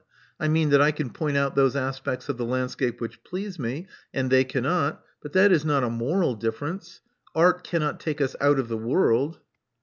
I mean that I can point out those aspects of the landscape which please me, and they cannot But that is not a moral difference. Art cannot take us out of the world."